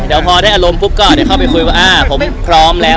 เดี๋ยวพอได้อารมณ์ปุ๊บก็เดี๋ยวเข้าไปคุยว่าอ่าผมพร้อมแล้ว